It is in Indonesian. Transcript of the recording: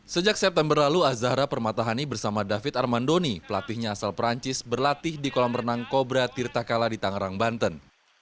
sejak september lalu azahra permatahani bersama david armandoni pelatihnya asal perancis berlatih di kolam renang cobra tirta kala di tangerang banten